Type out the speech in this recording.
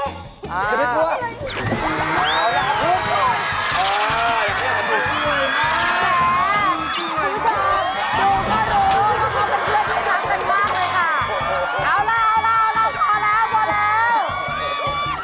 เอาแล้วพอแล้ว